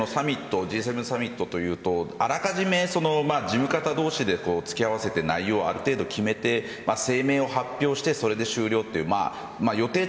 従来、Ｇ７サミットというとあらかじめ事務方どうしで付け合わせて内容を決めて声明を発表してそれで終了という予定